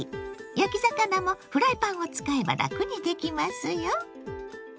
焼き魚もフライパンを使えばラクにできますよ。